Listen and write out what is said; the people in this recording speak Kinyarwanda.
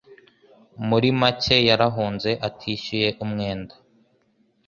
Muri make, yarahunze atishyuye umwenda.